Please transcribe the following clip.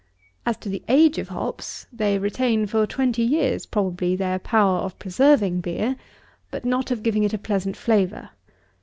As to the age of hops, they retain for twenty years, probably, their power of preserving beer; but not of giving it a pleasant flavour.